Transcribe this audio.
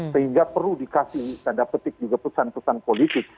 sehingga perlu dikasih tanda petik juga pesan pesan politik